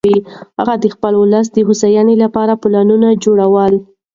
هغه د خپل ولس د هوساینې لپاره پلانونه جوړول.